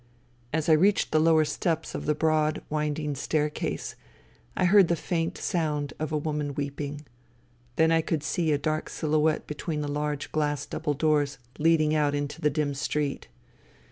As I reached the lower steps of the broad winding staircase I heard the faint sound of a woman weeping. Then I could see a dark silhouette between the large glass double doors leading out into the dim street.